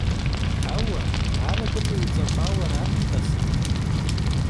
Heue, ar abı khiuts'ep'u arakhım, t'ase.